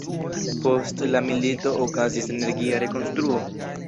Post la milito okazis energia rekonstruo.